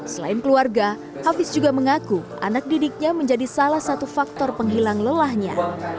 selain keluarga hafiz juga mengaku anak didiknya menjadi salah satu faktor penghilang lelahnya